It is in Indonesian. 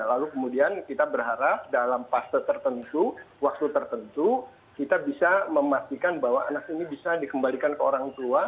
lalu kemudian kita berharap dalam fase tertentu waktu tertentu kita bisa memastikan bahwa anak ini bisa dikembalikan ke orang tua